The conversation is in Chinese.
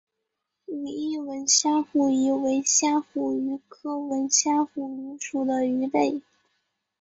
武义吻虾虎鱼为虾虎鱼科吻虾虎鱼属的鱼类。